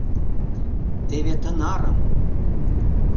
Теве тынарым!